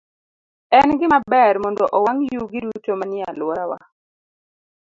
En gima ber mondo owang' yugi duto manie alworawa.